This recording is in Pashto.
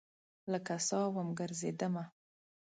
لکه سا وم ګرزیدمه